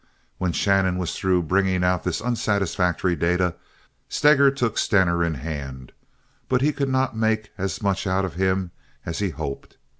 When Shannon was through bringing out this unsatisfactory data, Steger took Stener in hand; but he could not make as much out of him as he hoped.